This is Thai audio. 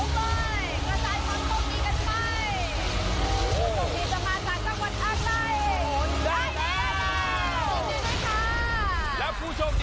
สวัสดีครับ